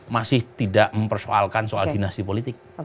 masih tidak mempersoalkan soal dinasti politik